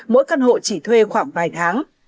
mỗi căn hộ chỉ thuê khoảng vài tháng